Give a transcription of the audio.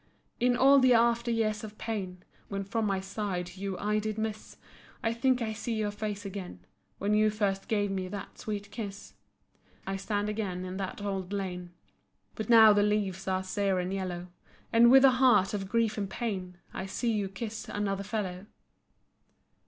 In all the after years of pain, When from my side you I did miss, I think I see your face again, When you first gave me that sweet kiss. I stand again in that old lane. But now the leaves are sere and yellow, And with a heart of grief and pain, I see you kiss another fellow.